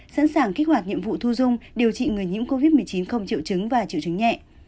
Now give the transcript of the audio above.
sẵn sàng kích hoạt nhiệm vụ thu dung điều trị người nhiễm covid một mươi chín không triệu chứng và triệu chứng nhẹ